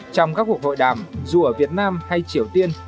trong các cuộc hội đàm dù ở việt nam hay triều tiên